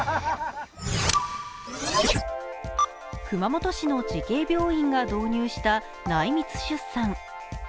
熊本市の慈恵病院が導入した内密出産。